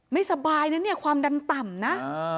ไม่สบายนะเนี่ยความดันต่ำนะ